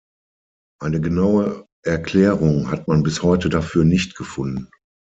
Eine genaue Erklärung hat man bis heute dafür nicht gefunden.